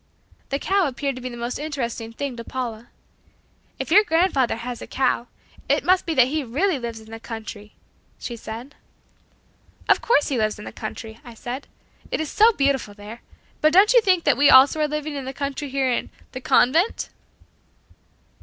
The cow appeared to be the most interesting thing to Paula. "If your grandfather has a cow, it must be that he really lives in the country," she said. "Of course he lives in the country," I said, "it is so beautiful there. But don't you think that we also are living in the country here in 'The Convent'?"